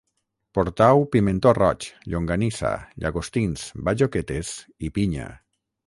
Portau pimentó roig, llonganissa, llagostins, bajoquetes i pinya